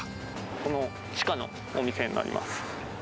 この地下のお店になります。